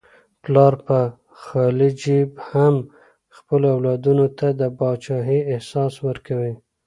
پلار په خالي جیب هم خپلو اولادونو ته د پاچاهۍ احساس ورکوي.